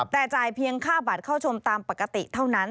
แต่จ่ายเพียงค่าบัตรเข้าชมตามปกติเท่านั้น